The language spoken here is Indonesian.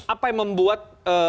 apa yang membuat